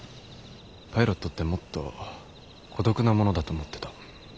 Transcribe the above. パイロットってもっと孤独なものだと思ってた。